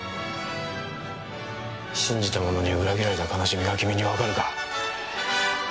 信じた者に裏切られた悲しみが君にわかるか？